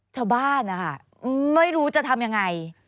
ชาวบ้านนะคะไม่รู้จะทำยังไง